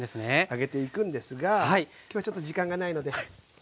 揚げていくんですが今日はちょっと時間がないので。